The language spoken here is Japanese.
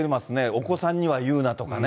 お子さんには言うなとかね。